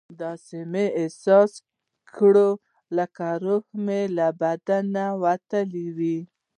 داسې مې احساس کړه لکه روح مې له بدنه وتلی وي.